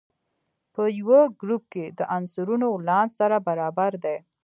په یوه ګروپ کې د عنصرونو ولانس سره برابر دی.